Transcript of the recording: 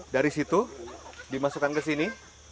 dari situ dimasukkan ke sini